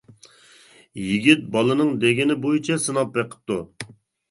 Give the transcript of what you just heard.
يىگىت بالىنىڭ دېگىنى بويىچە سىناپ بېقىپتۇ.